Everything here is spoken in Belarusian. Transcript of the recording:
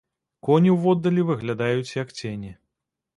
Коні ўводдалі выглядаюць, як цені.